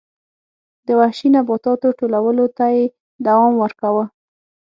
د وحشي نباتاتو ټولولو ته یې دوام ورکاوه